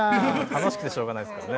楽しくてしょうがないですからね。